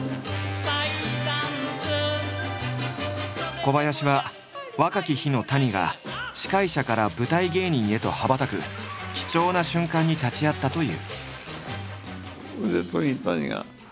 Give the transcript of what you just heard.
小林は若き日の谷が司会者から舞台芸人へと羽ばたく貴重な瞬間に立ち会ったという。